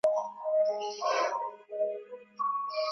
katika hatua nyingine korea kaskazini imesema